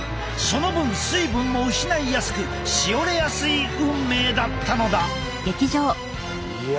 その分水分も失いやすくしおれやすい運命だったのだ。